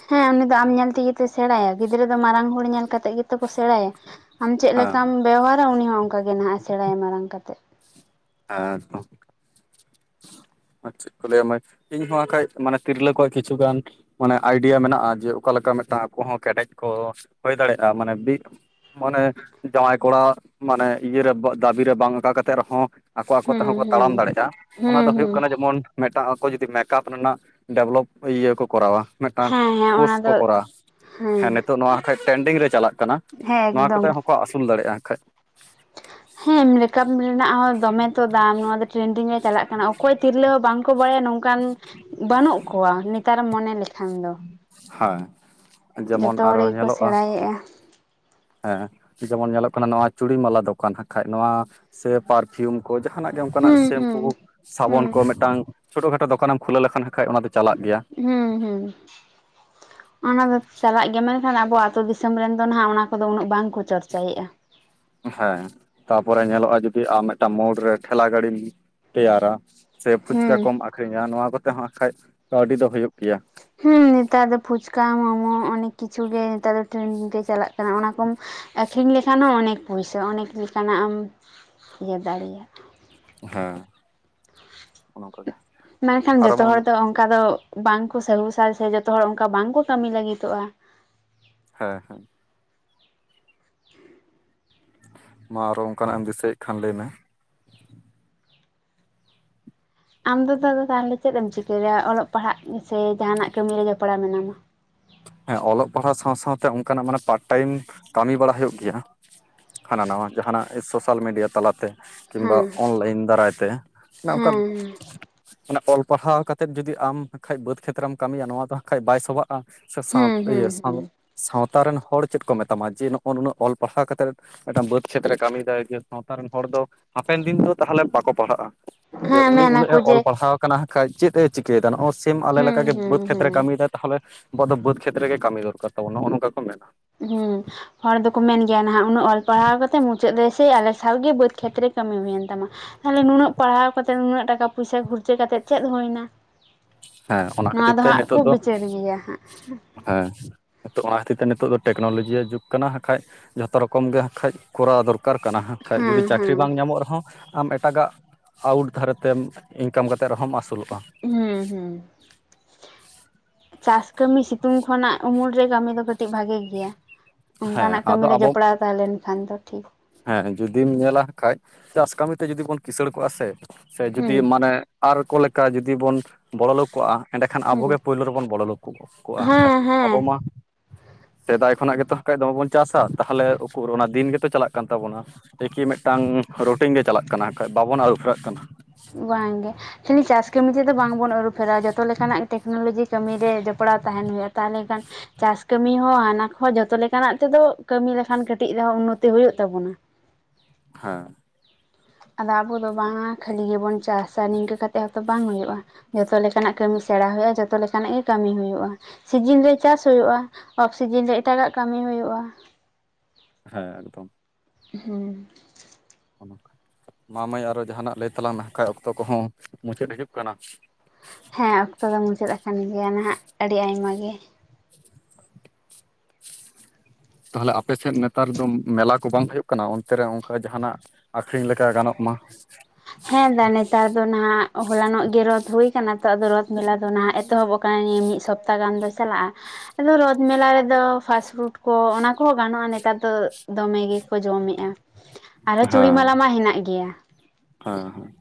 ᱦᱮᱸ ᱩᱱᱤ ᱫᱚ ᱟᱢ ᱧᱮᱞ ᱛᱮᱜᱮ ᱛᱚ ᱥᱮᱲᱟᱭᱟ ᱜᱤᱫᱽᱨᱟᱹ ᱫᱚ ᱢᱟᱨᱟᱝ ᱦᱚᱲ ᱧᱮᱞ ᱠᱟᱛᱮᱜ ᱜᱮᱛᱚ ᱠᱚ ᱥᱮᱲᱟᱭᱟ, ᱟᱢ ᱪᱮᱫ ᱦᱮᱸ ᱞᱮᱠᱟᱢ ᱵᱮᱣᱦᱟᱨᱟ ᱩᱱᱤ ᱦᱚᱸ ᱚᱝᱠᱟ ᱜᱮ ᱱᱟᱦᱟᱜ ᱮ ᱥᱮᱬᱟᱭ ᱢᱟᱨᱟᱝ ᱠᱟᱛᱮ, ᱟᱨ ᱦᱚᱸ ᱟᱨ ᱪᱮᱫ ᱠᱚ ᱞᱟᱹᱭᱟ ᱢᱟᱹᱭ ᱤᱧ ᱦᱚᱸ ᱵᱟᱠᱷᱟᱡ ᱢᱟᱱᱮ ᱛᱤᱨᱞᱟᱹ ᱠᱚᱣᱟᱜ ᱠᱤᱪᱷᱩᱜᱟᱱ ᱢᱟᱱᱮ ᱟᱭᱰᱤᱭᱟ ᱢᱮᱱᱟᱜ ᱟ ᱡᱮ ᱚᱠᱟᱮᱠᱟ ᱢᱤᱫᱴᱟᱱ ᱟᱠᱚ ᱦᱚᱸ ᱠᱮᱴᱮᱡ ᱠᱚ ᱦᱩᱭ ᱫᱟᱲᱮᱭᱟᱜ ᱟ ᱢᱟᱱᱮ ᱵᱤ, ᱢᱟᱱᱮ ᱡᱟᱶᱟᱭ ᱠᱚᱲᱟ ᱢᱟᱱᱮ ᱤᱭᱮ ᱨᱮ ᱫᱟᱹᱵᱤ ᱨᱮ ᱵᱟᱝ ᱟᱠᱟ ᱠᱟᱛᱮᱜ ᱨᱮᱦᱚᱸ ᱟᱠᱚ ᱟᱠᱚ ᱦᱩᱸ ᱛᱮᱦᱚᱸ ᱠᱚ ᱦᱩᱸ ᱛᱟᱲᱟᱢ ᱫᱟᱲᱮᱭᱟᱜ ᱟ, ᱚᱱᱟ ᱦᱩᱸ ᱫᱚ ᱦᱩᱭᱩᱜ ᱦᱩᱸ ᱠᱟᱱᱟ ᱡᱮᱢᱚᱱ, ᱢᱤᱫᱴᱟᱝ ᱟᱠᱚ ᱡᱩᱫᱤ ᱢᱮᱠᱟᱯ ᱨᱮᱱᱟᱜ ᱰᱮᱵᱷᱞᱚᱯ ᱤᱭᱟᱹ ᱠᱚ ᱠᱚᱨᱟᱣᱟ᱾ ᱢᱤᱫᱴᱟᱝ ᱦᱮᱸ ᱦᱮᱸ ᱚᱱᱟ ᱠᱳᱨᱥ ᱠᱚ ᱫᱚ ᱠᱚᱨᱟᱣᱟ, ᱦᱮᱸ ᱱᱤᱛᱚᱜ ᱱᱚᱣᱟ ᱴᱨᱮᱱᱰᱤᱝ ᱨᱮ ᱪᱟᱞᱟᱜ ᱠᱟᱱᱟ ᱦᱮᱸ ᱱᱚᱣᱟ ᱮᱠᱫᱚᱢ ᱠᱚᱛᱮ ᱦᱚᱸᱠᱚ ᱟᱹᱥᱩᱞ ᱫᱟᱲᱮᱜᱼᱟ ᱠᱷᱟᱡ, ᱦᱮᱸ ᱢᱨᱮᱠᱟᱯ ᱨᱮᱱᱟᱜ ᱦᱚᱸ ᱫᱚᱢᱮ ᱛᱚ ᱫᱟᱢ, ᱱᱚᱣᱟ ᱫᱚ ᱴᱨᱮᱱᱰᱤᱝ ᱨᱮ ᱪᱟᱞᱟᱜ ᱠᱟᱱᱟ᱾ ᱚᱠᱚᱭ ᱛᱤᱨᱞᱟᱹ ᱦᱚᱸ ᱵᱟᱝᱠᱚ ᱵᱟᱲᱟᱭᱟ ᱱᱚᱝᱠᱟᱱ ᱵᱟᱹᱱᱩᱜ ᱠᱚᱣᱟ ᱱᱮᱛᱟᱨᱮᱢ ᱢᱚᱱᱮ ᱞᱮᱠᱷᱟᱱ ᱫᱚ᱾ ᱦᱚᱭ ᱡᱮᱢᱚᱱ ᱟᱨᱚ ᱧᱮᱞᱚᱜᱼᱟ ᱮᱜ-ᱟ, ᱦᱮᱸ ᱡᱮᱢᱚᱱ ᱧᱮᱞᱚᱜ ᱠᱟᱱᱟ ᱱᱚᱣᱟ ᱪᱩᱲᱤ ᱢᱟᱞᱟ ᱫᱚᱠᱟᱱ ᱦᱟᱸᱜᱠᱷᱟᱡ ᱱᱚᱣᱟ ᱥᱮ, ᱯᱟᱨᱯᱷᱤᱭᱩᱢ ᱠᱚ, ᱡᱟᱦᱟᱱᱟᱜ ᱜᱮ ᱚᱱᱠᱟᱱᱟᱜ ᱦᱩᱸ ᱦᱩᱸ ᱥᱮᱢᱯᱩ ᱥᱟᱵᱚᱱ ᱦᱩᱸ ᱠᱚ ᱢᱤᱫᱴᱟᱝ ᱪᱷᱳᱴᱳ ᱠᱷᱟᱴᱳ ᱫᱚᱠᱟᱱᱮᱢ ᱠᱷᱩᱞᱟᱹᱣ ᱞᱮᱠᱷᱟᱱ ᱦᱟᱸᱜ ᱠᱷᱟᱡ ᱚᱱᱟ ᱫᱚ ᱪᱟᱞᱟᱜ ᱜᱮᱭᱟ, ᱦᱩᱸ ᱦᱩᱸ ᱾ ᱚᱱᱟ ᱫᱚ ᱪᱟᱞᱟᱜ ᱜᱮᱭᱟ ᱢᱮᱱᱠᱷᱟᱱ ᱟᱵᱚ ᱟᱛᱳ ᱫᱤᱥᱚᱢ ᱨᱮᱱ ᱫᱚ ᱱᱟᱦᱟᱸᱜ ᱚᱱᱟ ᱠᱚᱫᱚ ᱩᱱᱟᱹᱜ ᱵᱟᱝ ᱠᱚ ᱪᱚᱨᱪᱟᱭᱮᱫᱼᱟ᱾ ᱦᱮᱸ᱾ ᱛᱟᱨᱯᱚᱨᱮ ᱧᱮᱞᱚᱜ-ᱟ ᱡᱩᱫᱤ ᱟᱢ ᱢᱤᱫᱴᱟᱝ ᱢᱳᱲ ᱨᱮ ᱴᱷᱮᱞᱟ ᱜᱟᱹᱰᱤᱢ ᱛᱮᱭᱟᱨᱟ ᱥᱮ ᱯᱷᱩᱪᱠᱟ ᱦᱩᱸ ᱠᱚᱢ ᱟᱹᱠᱷᱨᱤᱧᱟ ᱱᱚᱣᱟ ᱠᱚᱛᱮ ᱦᱚᱸ ᱵᱟᱠᱷᱟᱡ ᱠᱟᱹᱣᱰᱤ ᱫᱚ ᱦᱩᱭᱩᱜ ᱜᱮᱭᱟ᱾ ᱦᱩᱸ ᱱᱮᱛᱟᱨ ᱫᱚ ᱯᱷᱩᱪᱠᱟ ᱢᱳᱢᱳ ᱚᱱᱮᱠ ᱠᱤᱪᱷᱩ ᱜᱮ ᱱᱮᱛᱟᱨ ᱫᱚ ᱴᱨᱮᱱᱰᱤᱝ ᱨᱮ ᱪᱟᱞᱟᱜ ᱠᱟᱱᱟ ᱚᱱᱟ ᱠᱚ ᱟᱹᱠᱷᱨᱤᱧ ᱞᱮᱠᱷᱟᱱ ᱦᱚᱸ ᱚᱱᱮᱠ ᱯᱩᱭᱥᱟ, ᱚᱱᱮᱠ ᱞᱮᱠᱟᱱᱟᱜ ᱮᱢ ᱤᱭᱟᱹ ᱫᱟᱲᱮᱭᱟᱜ-ᱟ᱾ ᱦᱮᱸ᱾ ᱚᱱᱟ ᱚᱝᱠᱟ ᱜᱮ᱾ ᱢᱮᱱᱠᱷᱟᱱ ᱟᱨᱚ ᱡᱚᱛᱚ ᱵᱚᱱ ᱦᱚᱲ ᱫᱚ ᱚᱱᱠᱟ ᱫᱚ ᱵᱟᱝ ᱠᱚ ᱥᱟᱹᱦᱩᱥᱟ ᱥᱮ ᱡᱚᱛᱚ ᱦᱚᱲ ᱚᱱᱠᱟ ᱵᱟᱝᱠᱚ ᱠᱟᱹᱢᱤ ᱞᱟᱹᱜᱤᱫᱚᱜ-ᱟ᱾ ᱦᱮᱸ ᱦᱮᱸ᱾ ᱢᱟ ᱟᱨᱚ ᱚᱱᱠᱟᱱᱟᱜ ᱮᱢ ᱫᱤᱥᱟᱹᱭᱮᱫ ᱠᱷᱟᱱ ᱞᱟᱹᱭ ᱢᱮ᱾ ᱟᱢ ᱫᱚ ᱫᱟᱫᱟ ᱛᱟᱦᱚᱞᱮ ᱪᱮᱫ ᱮᱢ ᱪᱤᱠᱟᱹᱭᱫᱟ? ᱚᱞᱚᱜ ᱯᱟᱲᱦᱟᱜ ᱥᱮ ᱡᱟᱦᱟᱸᱱᱟᱜ ᱠᱟᱹᱢᱤ ᱨᱮ ᱡᱚᱯᱲᱟᱣ ᱢᱮᱱᱟᱢᱟ? ᱦᱮᱸ ᱚᱞᱚᱜ ᱯᱟᱲᱦᱟᱣ ᱥᱟᱶ ᱥᱟᱶᱛᱮ ᱚᱱᱠᱟᱱᱟᱜ ᱢᱟᱱᱮ ᱯᱟᱨᱴ ᱴᱟᱭᱤᱢ ᱠᱟᱹᱢᱤ ᱵᱟᱲᱟ ᱦᱩᱭᱩᱜ ᱜᱮᱭᱟ᱾ ᱦᱟᱱᱟᱸ ᱱᱟᱣᱟ ᱡᱟᱦᱟᱸᱱᱟᱜ ᱥᱳᱥᱟᱞ ᱢᱤᱰᱤᱭᱟ ᱛᱟᱞᱟᱛᱮ ᱦᱮᱸ ᱠᱤᱝᱵᱟ ᱚᱱᱞᱟᱭᱤᱱ ᱫᱟᱨᱟᱭ ᱛᱮ, ᱚᱱᱮ ᱚᱝᱠᱟ ᱦᱮᱸ ᱢᱟᱱᱮ ᱚᱞ ᱯᱟᱲᱦᱟᱣ ᱠᱟᱛᱮᱫ ᱡᱩᱫᱤ ᱟᱢ ᱦᱟᱸᱠᱷᱟᱡ ᱵᱟᱹᱫᱽ ᱠᱷᱮᱛᱨᱮᱢ ᱠᱟᱹᱢᱤᱭᱟ, ᱱᱚᱣᱟ ᱫᱚ ᱦᱟᱸᱠᱷᱟᱡ ᱵᱟᱭ ᱥᱚᱵᱷᱟᱜᱼᱟ᱾ ᱥᱮ ᱥᱟᱶ ᱦᱮᱸ ᱦᱮᱸ ᱤᱭᱟᱹ ᱥᱟᱶ ᱦᱮᱸ ᱥᱟᱶᱛᱟ ᱨᱮᱱ ᱦᱚᱲ ᱪᱮᱫ ᱠᱚ ᱢᱮᱛᱟᱢᱟ ᱡᱮ ᱱᱚᱜ-ᱚᱭ ᱱᱩᱱᱟᱹᱜ ᱚᱞ ᱯᱟᱲᱦᱟᱣ ᱠᱟᱛᱮᱫ ᱢᱮᱫᱴᱟᱝ ᱵᱟᱹᱫ ᱠᱷᱮᱛᱨᱮ ᱠᱟᱹᱢᱤᱭᱮᱫᱟᱭ ᱡᱮ ᱥᱟᱶᱛᱟ ᱨᱮᱱ ᱦᱚᱲ ᱫᱚ ᱦᱟᱯᱮᱱ ᱫᱤᱱ ᱫᱚ ᱛᱟᱦᱚᱞᱮ ᱵᱟᱠᱚ ᱯᱟᱲᱦᱟᱜᱼᱟ᱾ ᱡᱮ ᱦᱮᱸ ᱩᱱᱤ ᱩᱱᱟᱹᱜ ᱢᱮᱱᱟᱠᱚ ᱮ ᱡᱮ ᱚᱞ ᱯᱟᱲᱦᱟᱣ ᱠᱟᱱᱟ ᱦᱟᱸᱜᱠᱷᱟᱡ ᱪᱮᱫ-ᱮ ᱪᱤᱠᱟᱹᱭᱫᱟ ᱱᱚᱜ-ᱚᱭ ᱥᱮᱢ ᱟᱞᱮ ᱦᱩᱸ ᱞᱮᱠᱟᱜᱮ ᱦᱩᱸ ᱵᱟᱹᱫ ᱠᱷᱮᱛᱨᱮ ᱦᱩᱸ ᱠᱟᱹᱢᱤᱭᱫᱟ᱾ ᱛᱟᱦᱚᱞᱮ ᱟᱵᱚ ᱫᱚ ᱵᱟᱹᱫ ᱠᱷᱮᱛ ᱨᱮᱜᱮ ᱠᱟᱹᱢᱤ ᱫᱚᱨᱠᱟᱨ ᱛᱟᱵᱚ ᱱᱚᱜ-ᱚ ᱱᱚᱝᱠᱟ ᱠᱚ ᱢᱮᱱᱟ᱾ ᱦᱩᱸ᱾ ᱦᱚᱲ ᱫᱚᱠᱚ ᱢᱮᱱ ᱜᱮᱭᱟ ᱱᱟᱦᱟᱸᱜ ᱩᱱᱟᱹᱜ ᱦᱚᱲ ᱫᱚ ᱠᱚ ᱢᱮᱱᱟ ᱜᱮᱭᱟ ᱱᱟᱦᱟᱸᱜ ᱩᱱᱟᱹᱜ ᱚᱞ ᱯᱟᱲᱦᱟᱣ ᱠᱟᱛᱮ ᱢᱩᱪᱟᱹᱫ ᱨᱮ ᱥᱮᱭ ᱟᱞᱮ ᱥᱟᱶᱜᱮ ᱵᱟᱹᱫ ᱠᱷᱮᱛᱨᱮ ᱠᱟᱹᱢᱤ ᱦᱩᱭᱮᱱ ᱛᱟᱢᱟ᱾ ᱛᱟᱦᱞᱮ ᱱᱩᱱᱟᱹᱜ ᱯᱟᱲᱦᱟᱣ ᱠᱟᱛᱮ ᱱᱩᱱᱟᱹᱜ ᱴᱟᱠᱟ ᱯᱚᱭᱥᱟ ᱠᱷᱚᱨᱪᱟ ᱠᱟᱛᱮᱜ ᱪᱮᱫ ᱦᱩᱭᱱᱟ᱾ ᱦᱮᱸ ᱚᱱᱟ ᱱᱚᱣᱟ ᱠᱷᱟᱹᱛᱤᱨ ᱫᱚ ᱛᱮ ᱦᱟᱸᱜ ᱠᱚ ᱱᱤᱛᱚᱜ ᱫᱚ ᱵᱤᱪᱟᱹᱨ ᱜᱮᱭᱟ ᱦᱟᱸᱜ᱾ ᱦᱮᱸ᱾ ᱱᱤᱛᱳᱜ ᱚᱱᱟ ᱠᱷᱟᱹᱛᱤᱨ ᱛᱮ ᱱᱤᱛᱚᱜ ᱫᱚ ᱴᱮᱠᱱᱳᱞᱚᱡᱤᱭᱟ ᱡᱩᱜ ᱠᱟᱱᱟ ᱦᱟᱸᱠᱷᱟᱡ ᱡᱷᱚᱛᱚ ᱨᱚᱠᱚᱢ ᱜᱮ ᱦᱟᱸᱠᱷᱟᱡ ᱠᱚᱨᱟᱣ ᱫᱚᱨ ᱠᱟᱨ ᱠᱟᱱᱟ ᱦᱟᱸᱠᱷᱟᱡ ᱦᱮᱸ ᱡᱩᱫᱤ ᱪᱟᱹᱠᱨᱤ ᱦᱮᱸ ᱵᱟᱝ ᱧᱟᱢᱚᱜ ᱨᱮᱦᱚᱸ ᱟᱢ ᱮᱴᱟᱜᱟᱜ ᱟᱣᱩᱴ ᱫᱷᱟᱨᱮᱛᱮᱢ ᱤᱱᱠᱟᱢ ᱠᱟᱛᱮᱫ ᱨᱮᱦᱚᱸᱢ ᱟᱹᱥᱩᱞᱚᱜᱼᱟ᱾ ᱦᱩᱸ ᱦᱩᱸ ᱪᱟᱥ ᱠᱟᱹᱢᱤ ᱥᱤᱛᱩᱝ ᱠᱷᱚᱱᱟᱜ ᱩᱢᱩᱞ ᱨᱮ ᱠᱟᱹᱢᱤ ᱫᱚ ᱠᱟᱹᱴᱤᱡ ᱵᱷᱟᱜᱮ ᱜᱮᱭᱟ, ᱦᱮᱸ ᱚᱝᱠᱟᱱᱟᱜ ᱠᱟᱹᱢᱤ ᱟᱫᱚ ᱨᱮ ᱟᱵᱚ ᱡᱚᱯᱲᱟᱣ ᱛᱟᱦᱮᱸ ᱞᱮᱱᱠᱷᱟᱱ ᱫᱚ ᱴᱷᱤᱠ ᱦᱮᱸ ᱡᱩᱫᱤᱢ ᱧᱮᱞᱟ ᱦᱟᱠᱷᱟᱱᱡ ᱪᱟᱥ ᱠᱟᱹᱢᱤᱛᱮ ᱡᱩᱫᱤ ᱵᱚᱱ ᱠᱤᱥᱟᱹᱲ ᱠᱚᱜᱼᱟ ᱥᱮ, ‌ ᱥᱮ ᱡᱩᱫᱤ ᱦᱩᱸ ᱢᱟᱱᱮ ᱟᱨ ᱠᱚ ᱞᱮᱠᱟ ᱡᱩᱫᱤ ᱵᱚᱱ ᱵᱚᱬᱚ ᱞᱳᱠ ᱠᱚᱜᱼᱟ ᱮᱸᱰᱮ ᱠᱷᱟᱱ ᱦᱩᱸ ᱟᱵᱚᱜᱮ ᱯᱳᱭᱞᱳ ᱨᱮᱵᱚᱱ ᱵᱚᱞᱚ ᱞᱮᱠᱚ ᱠᱚᱜᱼᱟ ᱟᱠᱷᱟᱡ, ᱦᱮᱸ ᱦᱮᱸ ᱟᱵᱚ ᱢᱟ ᱥᱮᱫᱟᱭ ᱠᱷᱚᱱᱟᱜ ᱜᱮᱛᱚ ᱦᱟᱠᱷᱟᱡ ᱫᱚᱢᱮᱵᱚᱱ ᱪᱟᱥᱟ ᱛᱟᱦᱚᱞᱮ ᱩᱠᱩᱨ ᱚᱱᱟ ᱫᱤᱱ ᱜᱮᱛᱚ ᱪᱟᱞᱟᱜ ᱠᱟᱱ ᱛᱟᱵᱚᱱᱟ ᱮᱠᱤ ᱢᱤᱫᱴᱟᱝ ᱨᱩᱴᱤᱝ ᱜᱮ ᱪᱟᱞᱟᱜ ᱠᱟᱱᱟ ᱦᱟᱠᱷᱟᱡ ᱵᱟᱵᱚᱱ ᱟᱹᱨᱩ ᱯᱷᱮᱨᱟᱜ ᱠᱟᱱᱟ᱾ ᱵᱟᱝᱜᱮ ᱠᱷᱟᱹᱞᱤ ᱪᱟᱥ ᱠᱟᱹᱢᱤ ᱛᱮᱫᱚ ᱵᱟᱝᱵᱚᱱ ᱟᱹᱨᱩ ᱯᱷᱮᱨᱼᱟ ᱡᱚᱛᱚ ᱞᱮᱠᱟᱱᱟᱜ ᱴᱮᱠᱱᱳᱞᱚᱡᱤ ᱠᱟᱹᱢᱤ ᱨᱮ ᱡᱚᱯᱲᱟᱣ ᱛᱟᱦᱮᱸᱱ ᱦᱩᱭᱩᱜᱼᱟ ᱛᱟᱦᱚᱞᱮ ᱠᱷᱟᱱ ᱪᱟᱥ ᱠᱟᱹᱢᱤ ᱦᱚᱸ ᱦᱟᱱᱟ ᱦᱚᱸ ᱡᱚᱛᱚ ᱞᱮᱠᱟᱱᱟᱜ ᱛᱮᱫᱚ ᱠᱟᱹᱢᱤ ᱞᱮᱠᱷᱟᱱ ᱠᱟᱹᱴᱤᱡ ᱨᱮᱦᱚᱸ ᱩᱱᱱᱚᱛᱤ ᱦᱩᱭᱩᱜ ᱛᱟᱵᱚᱱᱟ᱾ ᱦᱮᱸ᱾ ᱟᱫᱚ ᱟᱵᱚ ᱫᱚ ᱵᱟᱝᱟ ᱠᱷᱟᱹᱞᱤ ᱜᱮᱵᱚᱱ ᱪᱟᱥᱟ ᱱᱤᱝᱠᱟᱹ ᱠᱟᱛᱮᱫ ᱦᱚᱸᱛᱚ ᱵᱟᱝ ᱦᱩᱭᱩᱜᱼᱟ᱾ ᱡᱷᱚᱛᱚ ᱞᱮᱠᱟᱱᱟᱜ ᱠᱟᱹᱢᱤ ᱥᱮᱬᱟ ᱦᱩᱭᱩᱜᱼᱟ, ᱡᱚᱛᱚ ᱞᱮᱠᱟᱱᱟᱜ ᱜᱮ ᱠᱟᱹᱢᱤ ᱦᱩᱭᱩᱜᱼᱟ᱾ ᱥᱤᱡᱤᱱ ᱨᱮ ᱪᱟᱥ ᱦᱩᱭᱩᱜᱼᱟ, ᱚᱯᱷ ᱥᱤᱡᱤᱱ ᱨᱮ ᱮᱴᱟᱜᱟᱜ ᱠᱟᱹᱢᱤ ᱦᱩᱭᱩᱜᱼᱟ᱾ ᱦᱮᱸ ᱮᱠᱫᱚᱢ᱾ ᱦᱩᱸ᱾ ᱢᱟ ᱢᱟᱹᱭ ᱟᱨᱚ ᱡᱟᱦᱟᱱᱟᱜ ᱞᱟᱹᱭ ᱛᱟᱞᱟᱝ ᱢᱮ ᱦᱟᱠᱷᱟᱡ ᱚᱠᱛᱚ ᱠᱚᱦᱚᱸ ᱢᱩᱪᱟᱹᱫ ᱦᱤᱡᱩᱜ ᱠᱟᱱᱟ᱾ ᱦᱮᱸ ᱚᱠᱛᱚ ᱫᱚ ᱢᱩᱪᱟᱹᱫ ᱟᱠᱟᱱ ᱜᱮᱭᱟ ᱱᱟᱦᱟᱜ ᱟᱹᱰᱤ ᱟᱭᱢᱟ ᱜᱮ ᱛᱟᱦᱚᱞᱮ ᱟᱯᱮᱥᱮᱫ ᱱᱮᱛᱟᱨ ᱫᱚ ᱢᱮᱞᱟ ᱠᱚ ᱵᱟᱝ ᱦᱩᱭᱩᱜ ᱠᱟᱱᱟ ᱚᱱᱛᱮ ᱨᱮ ᱚᱱᱠᱟ ᱡᱟᱦᱟᱱᱟᱜ? ᱟᱠᱷᱨᱤᱧ ᱞᱮᱠᱟ ᱜᱟᱱᱚᱜ ᱢᱟ ᱦᱮᱸ ᱫᱟ ᱱᱮᱛᱟᱨ ᱫᱚ ᱱᱟᱦᱟᱜ ᱦᱚᱞᱟᱱᱚᱜ ᱜᱮ ᱨᱫᱽ ᱦᱳ ᱟᱠᱟᱱᱟ ᱛᱚ ᱟᱫᱚ ᱨᱚᱛ ᱢᱮᱞᱟ ᱫᱚ ᱱᱟᱦᱟᱜ ᱮᱛᱚᱦᱚᱵ ᱠᱟᱱᱟ ᱢᱤᱫ ᱥᱚᱯᱛᱟᱦ ᱜᱟᱱ ᱫᱚ ᱪᱟᱞᱟᱜᱼᱟ ᱟᱫᱚ ᱨᱳᱫ ᱢᱮᱞᱟ ᱨᱮᱫᱚ ᱯᱷᱟᱥᱯᱩᱰ ᱠᱚ ᱚᱱᱟ ᱠᱚᱦᱚᱸ ᱜᱟᱱᱚᱜᱼᱟ ᱱᱮᱛᱟᱨ ᱫᱚ ᱫᱚᱢᱮ ᱜᱮᱠᱚ ᱡᱚᱢᱮᱜᱼᱟ ᱟᱨᱚ ᱪᱩᱲᱤ ᱢᱟᱞᱟ ᱢᱟ ᱦᱮᱱᱟᱜ ᱜᱮᱭᱟ ᱦᱮᱸ ᱦᱮᱸ